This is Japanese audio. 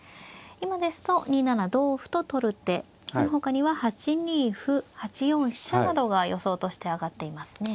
今ですと２七同歩と取る手そのほかには８二歩８四飛車などが予想として挙がっていますね。